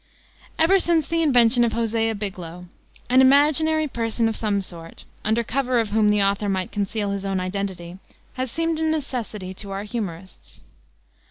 Ever since the invention of Hosea Biglow, an imaginary personage of some sort, under cover of whom the author might conceal his own identity, has seemed a necessity to our humorists.